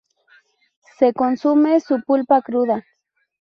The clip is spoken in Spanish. Se consume su pulpa cruda.